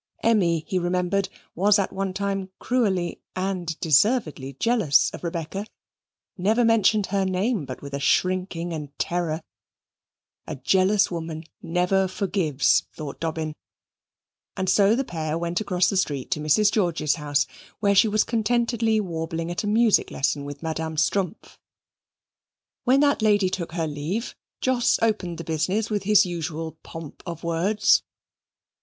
Emmy, he remembered, was at one time cruelly and deservedly jealous of Rebecca, never mentioned her name but with a shrinking and terror a jealous woman never forgives, thought Dobbin: and so the pair went across the street to Mrs. George's house, where she was contentedly warbling at a music lesson with Madame Strumpff. When that lady took her leave, Jos opened the business with his usual pomp of words.